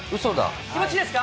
気持ちいいです。